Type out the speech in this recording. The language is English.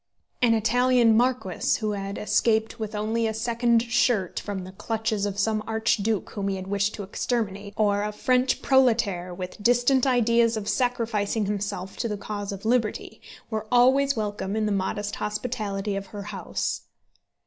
An Italian marquis who had escaped with only a second shirt from the clutches of some archduke whom he had wished to exterminate, or a French prolétaire with distant ideas of sacrificing himself to the cause of liberty, were always welcome to the modest hospitality of her house.